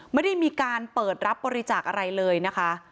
ไม่ได้มีการเปิดรับบริจาคอะไรเลยนะคะ